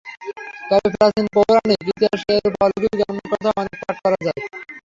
ভারতের প্রাচীন পৌরাণিক ইতিহাসে এরূপ অলৌকিক জন্মের কথা অনেক পাঠ করা যায়।